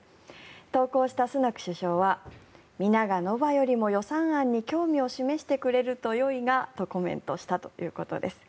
投稿したスナク首相は皆がノヴァよりも予算案に興味を示してくれるとよいがとコメントしたということです。